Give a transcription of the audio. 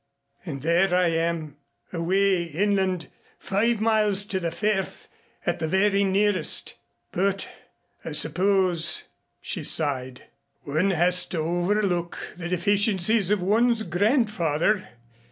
And there I am away inland five miles to the firth at the very nearest. But I suppose," she sighed, "one has to overlook the deficiencies of one's grandfather.